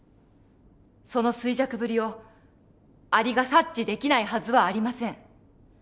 その衰弱ぶりをアリが察知できないはずはありません。